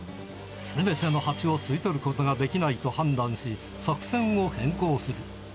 すべてのハチを吸い取ることができないと判断し、作戦を変更する。